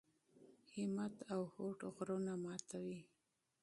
همت او هوډ غرونه ماتوي.